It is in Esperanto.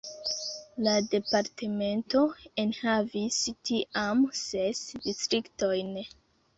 La departemento enhavis tiam ses distriktojn.